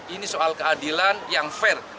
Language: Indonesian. ini soal keadilan yang fair